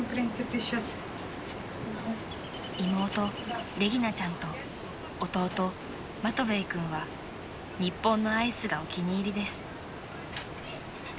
［妹レギナちゃんと弟マトヴェイ君は日本のアイスがお気に入りです］